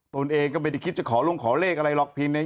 ตนเองก็ไม่ได้คิดจะขอลงขอเลขอะไรหรอกเพียง